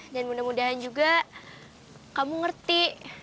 dan mudah mudahan juga kamu ngerti